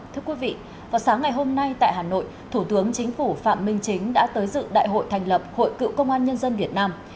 thưa quý vị vào sáng ngày hôm nay tại hà nội thủ tướng chính phủ phạm minh chính đã tới dự đại hội thành lập hội cựu công an nhân dân việt nam